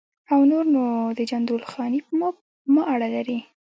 او نور نو د جندول خاني په ما اړه لري.